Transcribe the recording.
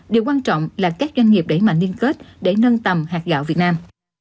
điều quan trọng là các doanh nghiệp đẩy mạnh liên kết để nâng tầm hạt gạo việt nam